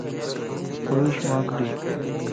بروش مانک ڏي